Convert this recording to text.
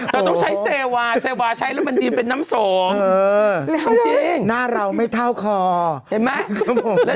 ซัก๑๐มาซื้อหนูได้ไหมด่าจู๊ปไทยทั้งวันเลยทำเหมือนมากเลย